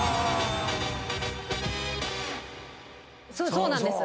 そうなんです。